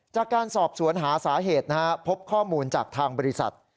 จากการสอบสวนหาสาเหตุพบข้อมูลจากทางบริษัท